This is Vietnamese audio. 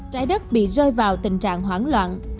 trái đất bị rơi vào tình trạng hoảng loạn